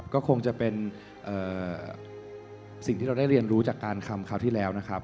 ก็คงจะเป็นสิ่งที่เราได้เรียนรู้จากการทำคราวที่แล้วนะครับ